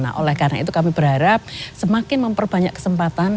nah oleh karena itu kami berharap semakin memperbanyak kesempatan